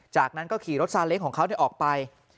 จากนั้นก็ขี่รถซาเล้งของเขาออกไป